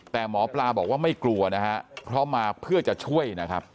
แต่หมอปลาบอกว่าไม่กลัวนะฮะเพราะมาเพื่อจะช่วยนะครับ